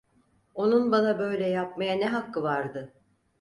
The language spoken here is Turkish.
Onun bana böyle yapmaya ne hakkı vardı?